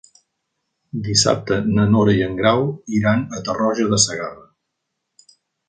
Dissabte na Nora i en Grau iran a Tarroja de Segarra.